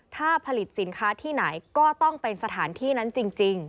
ถ้าผลิตสินค้าที่ไหนก็ต้องเป็นสถานที่นั้นจริง